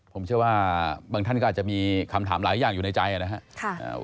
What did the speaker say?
ผมเชื่อว่าบางท่านก็อาจจะมีคำถามหลายอย่างอยู่ในใจนะครับ